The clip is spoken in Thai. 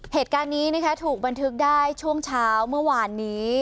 เหตุการณ์นี้นะคะถูกบันทึกได้ช่วงเช้าเมื่อวานนี้